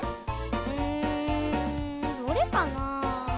うん。どれかなあ。